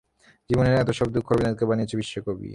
জীবনের এতো সব দুঃখ রবীন্দ্রনাথকে বানিয়েছে বিশ্বকবি!